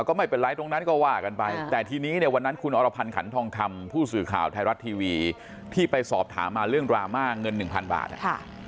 ก็ไม่เป็นไรตรงนั้นก็ว่ากันไปแต่ทีนี้เนี่ยวันนั้นคุณอรพันธ์ขันทองคำผู้สื่อข่าวไทยรัฐทีวีที่ไปสอบถามมาเรื่องดราม่าเงินหนึ่งพันบาทอ่ะ